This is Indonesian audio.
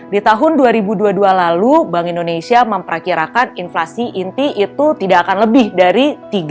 di tahun dua ribu dua puluh dua lalu bank indonesia memperkirakan inflasi inti itu tidak akan lebih dari tiga puluh